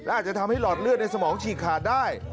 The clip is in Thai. อาจจะทำให้หลอดเลือดในสมองฉีกขาดได้